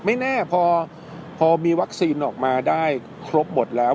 ไม่แน่พอมีวัคซีนออกมาได้ครบหมดแล้ว